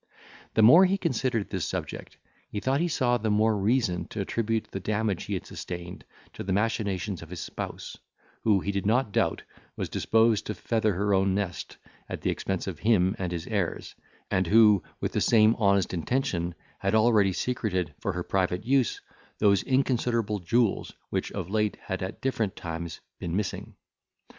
The more he considered this subject, he thought he saw the more reason to attribute the damage he had sustained to the machinations of his spouse, who, he did not doubt, was disposed to feather her own nest, at the expense of him and his heirs, and who, with the same honest intention, had already secreted, for her private use, those inconsiderable jewels which of late had at different times been missing.